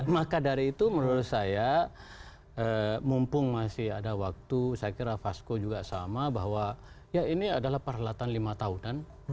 maka dari itu menurut saya mumpung masih ada waktu saya kira vasco juga sama bahwa ya ini adalah perhelatan lima tahunan